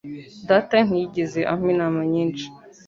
Data ntiyigeze ampa inama nyinshi.